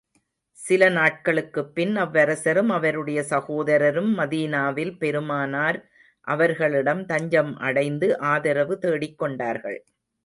சில நாட்களுக்குப் பின், அவ்வரசரும், அவருடைய சகோதரரும் மதீனாவில் பெருமானார் அவர்களிடம் தஞ்சம் அடைந்து, ஆதரவு தேடிக் கொண்டார்கள்.